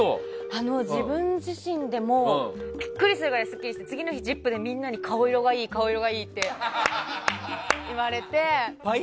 自分自身でもビックリするくらいすっきりして次の日、「ＺＩＰ！」でみんなから顔色がいい、顔色がいいって言われて。